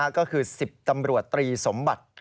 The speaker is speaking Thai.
ก็คือ๑๐ตำรวจตรีสมบัติ